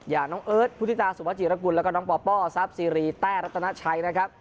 อย่างน้องเอิร์ทพุทธิตาสุวจิรกุลแล้วก็น้องปอป้อซับซีรีแต้รัตนาชัยนะครับ